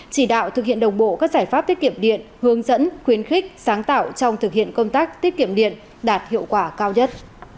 chỉ đạo thực hiện đồng bộ các giải pháp tiết kiệm điện hướng dẫn khuyến khích sáng tạo trong thực hiện công tác tiết kiệm điện đạt hiệu quả cao nhất